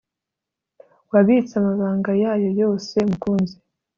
wabitse amabanga yayo yose, mukunzi